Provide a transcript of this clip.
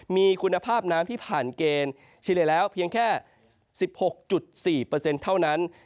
มีคุณภาพน้ำที่ผ่านเกณฑ์เฉลี่ยแล้วเพียงแค่๑๖๔เท่านั้น